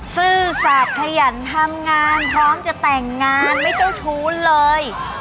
ซื่อสัตว์ขยันทำงานพร้อมจะแต่งงานไม่เจ้าชู้เลย